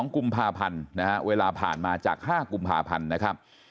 ๒๒กุมภาพันธ์เวลาผ่านมาจาก๕กุมภาพันธ์